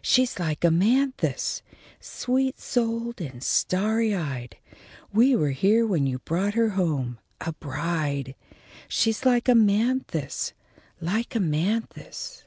She's like Amanthis, sweet souled and starry eyed; we were here when you brought her home, a bride. She's like Amanthis! Like Amanthis!"